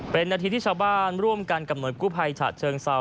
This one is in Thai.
เป็นนาทีที่ชาวบ้านร่วมกันกำหนดกู้ภัยฉะเชิงเซา